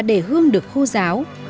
để hương được khô ráo